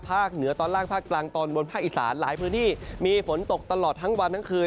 เหนือตอนล่างภาคกลางตอนบนภาคอีสานหลายพื้นที่มีฝนตกตลอดทั้งวันทั้งคืน